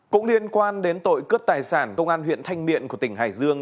cũng liên quan đến tội cướp tài sản công an huyện thanh miện của tỉnh hải dương